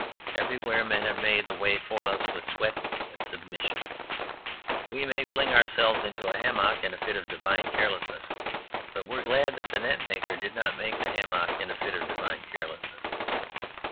Everywhere men have made the way for us with sweat and submission. We may fling ourselves into a hammock in a fit of divine carelessness. But we are glad that the net maker did not make the hammock in a fit of divine carelessness.